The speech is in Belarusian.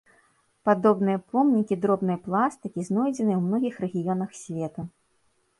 Падобныя помнікі дробнай пластыкі знойдзены ў многіх рэгіёнах свету.